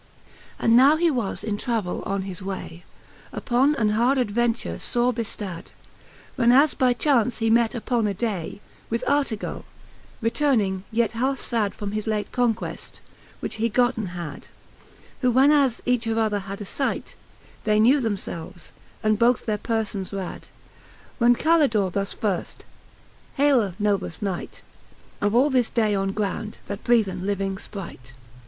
And now he was in travell on his way, Uppon an hard adventure fore beftad, Whenas by chaunce he met uppon a day With Artegally returning yet halfe fad From his late conqueft, which he gotten had. Who when as each of other had a fight, They knew them ielves, and both their perfbns rad : When Calldore thus firft; Haile nobleft Knight Of all this day on ground, that breathen living (pright. V.